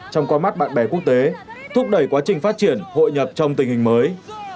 trong qua mắt bạn bè quốc tế thúc đẩy quá trình phát triển hội nhập trong tình hình mới